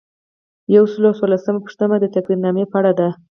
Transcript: یو سل او څوارلسمه پوښتنه د تقدیرنامې په اړه ده.